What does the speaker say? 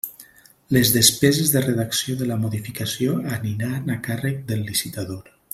Les despeses de redacció de la modificació aniran a càrrec del licitador.